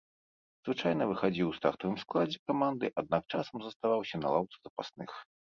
Звычайна выхадзіў у стартавым складзе каманды, аднак часам заставаўся на лаўцы запасных.